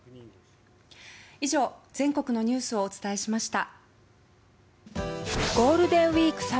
以上、全国のニュースをお伝えしました。